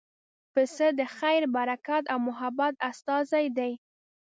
پسه د خیر، برکت او محبت استازی دی.